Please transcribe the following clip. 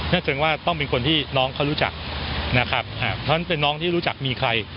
แสดงว่าต้องเป็นคนที่น้องเขารู้จักนะครับเพราะฉะนั้นเป็นน้องที่รู้จักมีใคร